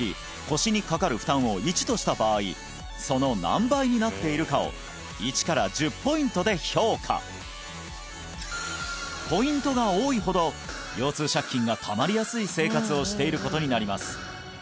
腰にかかる負担を１とした場合その何倍になっているかを１から１０ポイントで評価ポイントが多いほど腰痛借金がたまりやすい生活をしていることになります